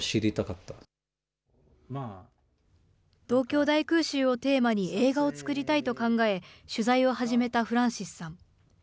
東京大空襲をテーマに、映画を作りたいと考え、取材を始めたフランシスさん。